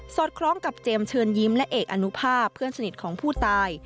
อดคล้องกับเจมส์เชิญยิ้มและเอกอนุภาพเพื่อนสนิทของผู้ตาย